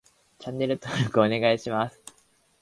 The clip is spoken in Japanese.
チャンネル登録お願いします